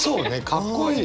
かっこいい。